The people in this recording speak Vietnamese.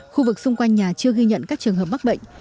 khu vực xung quanh nhà chưa ghi nhận các trường hợp mắc bệnh